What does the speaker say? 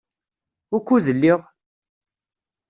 Wukud lliɣ?